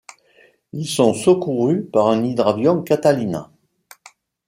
Ils sont secouru par un hydravion Catalina.